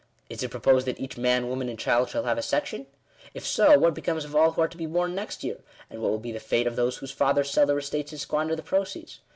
Is it proposed that each man, woman, and child, shall have a sec tion ? If so, what becomes of all who are to be born next year ? And what will be the fate of those whose fathers sell their estates and squander the proceeds?